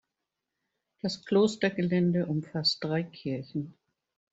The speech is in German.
Das Klostergelände umfasst drei Kirchen.